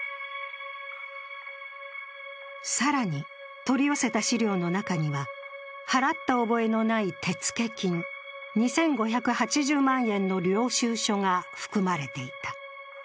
更に取り寄せた資料の中には払った覚えのない手付金、２５８０万円の領収書が含まれていた。